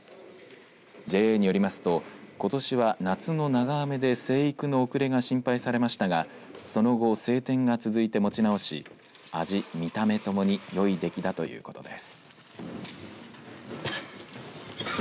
ＪＡによりますとことしは夏の長雨で生育の遅れが心配されましたがその後、晴天が続いて持ち直し味、見た目ともによいできだということです。